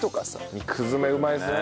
肉詰めうまいですね。